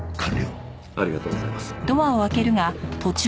ありがとうございます。